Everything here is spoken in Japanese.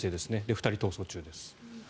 ２人、逃走中です。